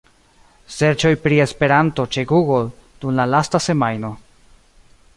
Serĉoj pri “Esperanto” ĉe Google dum la lasta semajno.